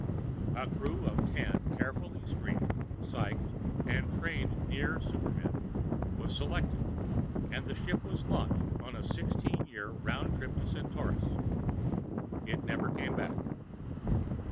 A crew of ten carefully screened, psyched and trained near supermen was selected, and the ship was launched on a sixteen year round trip to Centaurus. It never came back.